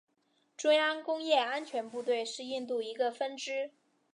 中央工业安全部队是印度一个分支。